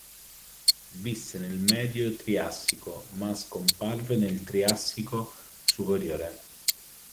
Visse nel Medio Triassico ma scomparve nel Triassico Superiore.